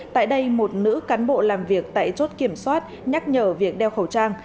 tại đây một nữ cán bộ làm việc tại chốt kiểm soát nhắc nhở việc đeo khẩu trang